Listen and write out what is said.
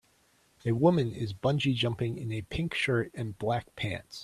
A woman is bungee jumping in a pink shirt and black pants.